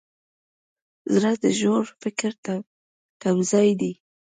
زړه د ژور فکر تمځای دی.